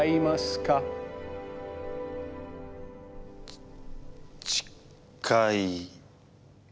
ちちかい。